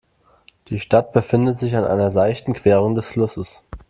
Die Stadt befindet sich an einer seichten Querung des Flusses.